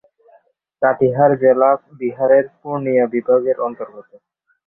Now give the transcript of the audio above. কাটিহার জেলা বিহারের পূর্ণিয়া বিভাগের অন্তর্গত।